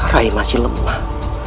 rai masih lemah